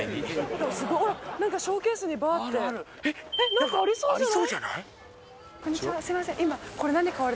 えっ何かありそうじゃない？